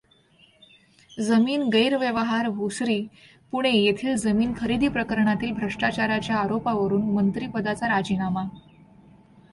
जमीन गैरव्यवहार भोसरी पुणे येथील जमीन खरेदी प्रकरणातील भ्रष्टाचाराच्या आरोपावरून मंत्रिपदाचा राजीनामा.